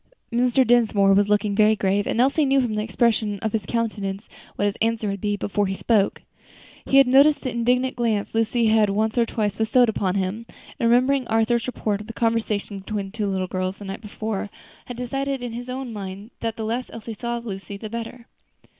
Mr. Dinsmore was looking very grave, and Elsie knew from the expression of his countenance what his answer would be, before he spoke. He had noticed the indignant glance Lucy had once or twice bestowed upon him, and remembering Arthur's report of the conversation between the two little girls the night before, had decided in his own mind that the less Elsie saw of Lucy the better.